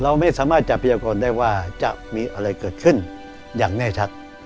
เราไม่สามารถจะพยากรได้ว่าจะมีอะไรเกิดขึ้นอย่างแน่ชัด